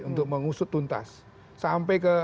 untuk mengusut tuntas sampai ke